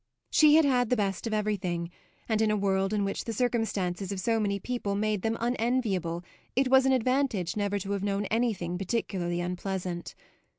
She had had the best of everything, and in a world in which the circumstances of so many people made them unenviable it was an advantage never to have known anything particularly unpleasant.